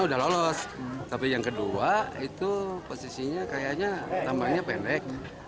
udah lolos tapi yang kedua itu posisinya kayaknya tambahnya pendek